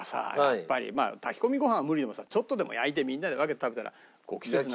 やっぱり炊き込みご飯は無理でもさちょっとでも焼いてみんなで分けて食べたら。